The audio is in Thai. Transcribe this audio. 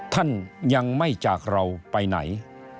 ท่านยังไม่จากเราไปไหน